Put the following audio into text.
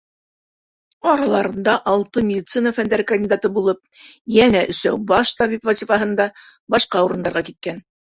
Араларында алты медицина фәндәре кандидаты булып, йәнә өсәү баш табип вазифаһында башҡа урындарға киткән.